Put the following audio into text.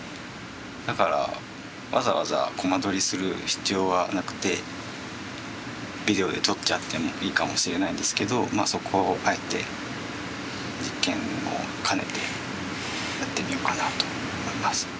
だからわざわざコマ撮りする必要はなくてビデオで撮っちゃってもいいかもしれないんですけどそこをあえて実験も兼ねてやってみようかなと思います。